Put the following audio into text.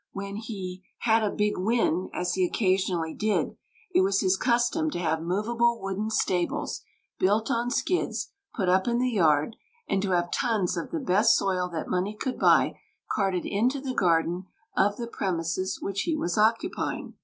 When he "had a big win", as he occasionally did, it was his custom to have movable wooden stables, built on skids, put up in the yard, and to have tons of the best soil that money could buy carted into the garden of the premises which he was occupying.